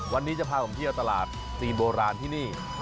วันนี้จะพาผมเที่ยวตลาดจีนโบราณที่นี่